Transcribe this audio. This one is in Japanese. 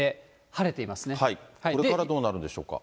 これからどうなるんでしょうか。